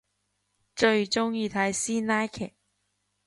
最中意睇師奶劇